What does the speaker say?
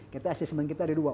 kita assessment kita ada dua